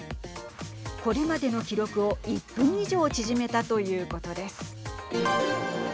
これまでの記録を１分以上縮めたということです。